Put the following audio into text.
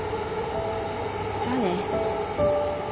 じゃあね。